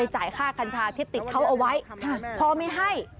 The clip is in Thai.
ไปจ่ายค่ากั้นชาติที่ติดเขาเอาไว้